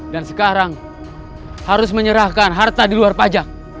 dan sekarang harus menyerahkan harta di luar pajak